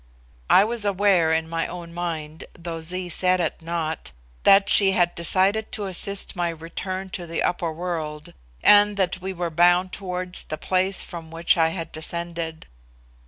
I was aware in my own mind, though Zee said it not, that she had decided to assist my return to the upper world, and that we were bound towards the place from which I had descended.